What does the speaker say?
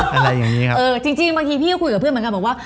เออจริงบางทีวันนี้พี่กะพูดกับเพื่อนมากันบอกว่า